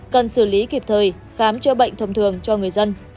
cần xử lý kịp thời khám chữa bệnh thông thường cho người dân